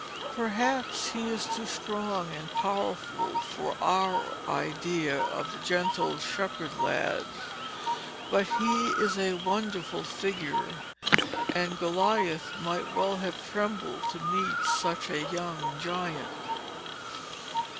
Perhaps he is too strong and powerful for our idea of the gentle shepherd lad, but he is a wonderful figure, and Goliath might well have trembled to meet such a young giant.